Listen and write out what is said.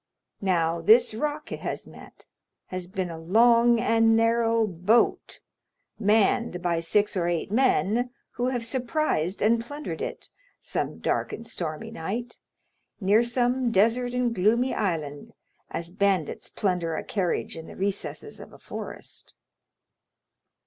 Now this rock it has met has been a long and narrow boat, manned by six or eight men, who have surprised and plundered it, some dark and stormy night, near some desert and gloomy island, as bandits plunder a carriage in the recesses of a forest."